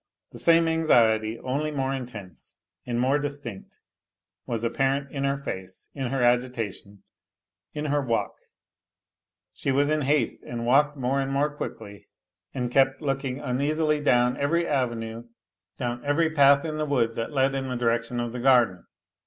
The same anxiety, only more intense and more dig tinct, was apparent in her face, in her agitation, in her wall She was in haste, and walked more and more quickly and kep looking uneasily down every avenue, down every path in the woo< that led in the direction of the garden.